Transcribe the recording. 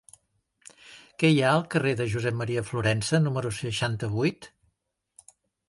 Què hi ha al carrer de Josep M. Florensa número seixanta-vuit?